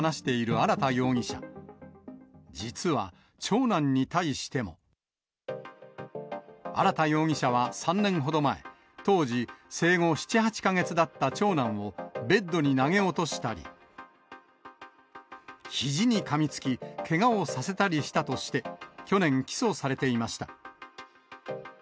荒田容疑者は３年ほど前、当時生後７、８か月だった長男を、ベッドに投げ落としたり、ひじにかみつき、けがをさせたりしたとして、去年、起訴されていました。